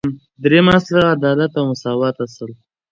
دریم اصل : عدالت او مساواتو اصل